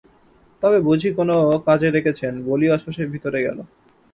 তবে বুঝি কোনো কাজে ডেকেছেন, বলিয়া শশী ভিতরে গেল।